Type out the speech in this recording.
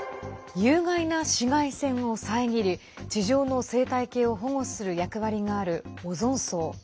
有害な紫外線を遮り地上の生態系を保護する役割があるオゾン層。